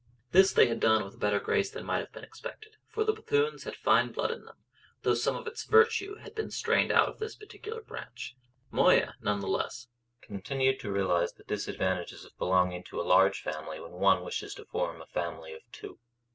This they had done with a better grace than might have been expected, for the Bethunes had fine blood in them, though some of its virtue had been strained out of this particular branch. Moya none the less continued to realise the disadvantages of belonging to a large family when one wishes to form a family of two.